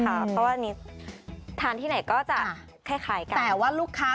เพราะว่านี้ทานที่ไหนก็จะคล้ายกัน